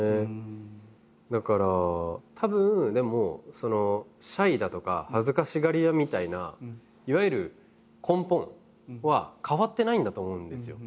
だからたぶんでもシャイだとか恥ずかしがり屋みたいないわゆる根本は変わってないんだと思うんですよ。